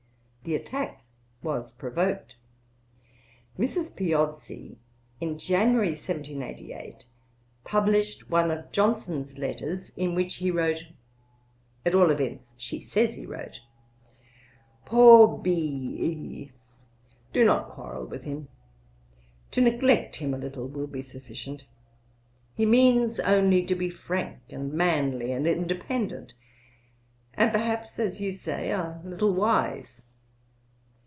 The attack was provoked. Mrs. Piozzi, in January, 1788, published one of Johnson's letters, in which he wrote at all events she says he wrote: 'Poor B i! do not quarrel with him; to neglect him a little will be sufficient. He means only to be frank, and manly, and independent, and perhaps, as you say, a little wise.